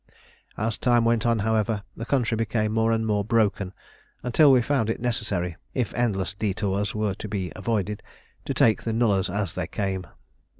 As time went on, however, the country became more and more broken, until we found it necessary, if endless detours were to be avoided, to take the nullahs as they came.